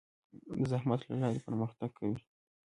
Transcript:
د زحمت له لارې پرمختګ کوي.